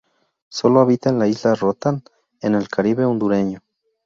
Sólo habita la isla de Roatán, en el Caribe hondureño.